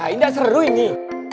indah seru ini